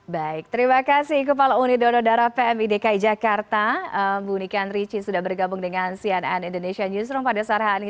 baik terima kasih kepala uni donor darah pmidki jakarta bunikan ricin sudah bergabung dengan cnn indonesian newsroom pada sarhani